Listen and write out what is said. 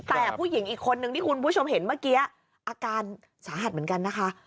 แต่ผู้หญิงอีกคนนึงที่คุณผู้ชมเห็นเมื่อกี้อาการสาหัสเหมือนกันนะคะ